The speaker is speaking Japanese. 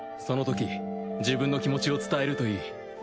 そのとき自分の気持ちを伝えるといい。